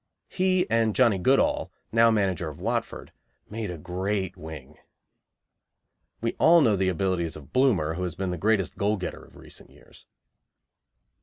He and Johnnie Goodall, now manager of Watford, made a great wing. We all know the abilities of Bloomer, who has been the greatest goal getter of recent years.